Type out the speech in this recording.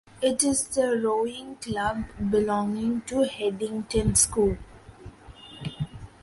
It is the rowing club belonging to Headington School.